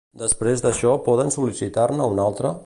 Després d'això, poden sol·licitar-ne una altra?